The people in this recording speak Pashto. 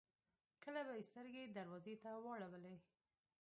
کله به يې سترګې دروازې ته واړولې.